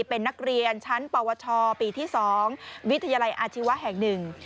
เป็นนักเรียนชั้นปวชปีที่๒วิทยาลัยอาชีวะแห่งหนึ่ง